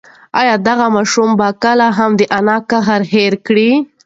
ایا دغه ماشوم به کله هم د انا قهر هېر کړي؟